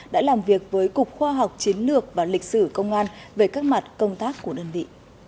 đã làm việc với cục khoa học chiến lược và lịch sử công an về các mặt công tác của đơn vị